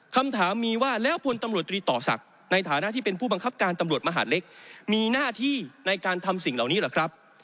คำถามมีว่าแล้วพลตำรวจตรีต่อศักดิ์ในฐานะที่เป็นผู้บังคับการตำรวจมหาดเล็กมีหน้าที่ในการทำสิ่งเหล่านี้เหรอครับ